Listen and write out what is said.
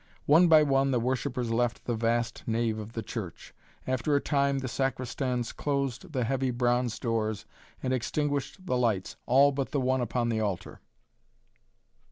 One by one the worshippers left the vast nave of the church. After a time the sacristans closed the heavy bronze doors and extinguished the lights, all but the one upon the altar.